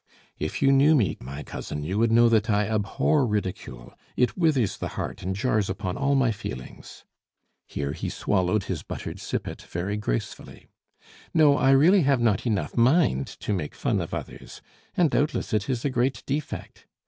"If you knew me, my cousin, you would know that I abhor ridicule; it withers the heart and jars upon all my feelings." Here he swallowed his buttered sippet very gracefully. "No, I really have not enough mind to make fun of others; and doubtless it is a great defect.